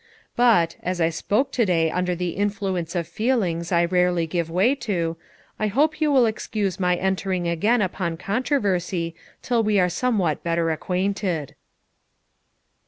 But, as I spoke today under the influence of feelings I rarely give way to, I hope you will excuse my entering again upon controversy till we are somewhat better acquainted.'